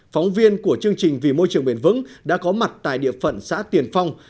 phóng viên của chương trình vì môi trường bền vững đã có mặt tại địa phận xã tiền phong